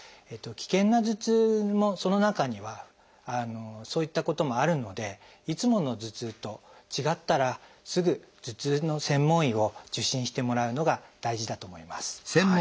危険な頭痛もその中にはそういったこともあるのでいつもの頭痛と違ったらすぐ頭痛の専門医を受診してもらうのが大事だと思います。